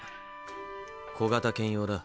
小型犬用だ。